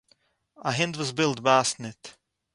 אַ הונט וואָס בילט בײַסט ניט.